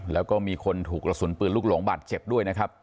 แล้วก็มีคนถูกกระสุนปืนลูกหลงบาดเจ็บด้วยนะครับ